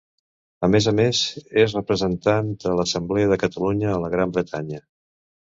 A més a més, és representant de l’Assemblea de Catalunya a la Gran Bretanya.